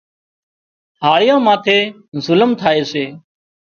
هاۯيئاان ماٿي ظلم ٿائي سي